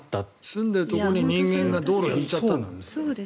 住んでいるところに人間が道路を敷いちゃったんだから。